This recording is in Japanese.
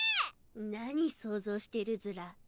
何想像してるずら？